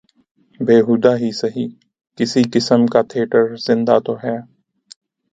بیہودہ ہی سہی کسی قسم کا تھیٹر زندہ تو ہے۔